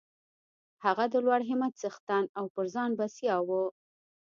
هغه د لوړ همت څښتن او پر ځان بسیا و